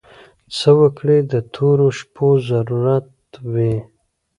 څه وګړي د تورو شپو ضرورت وي.